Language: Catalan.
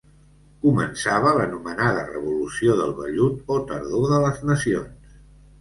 Començava l'anomenada revolució del vellut o tardor de les nacions.